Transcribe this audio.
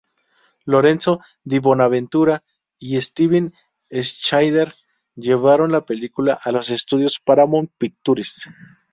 Lorenzo di Bonaventura y Steven Schneider llevaron la película a los estudios Paramount Pictures.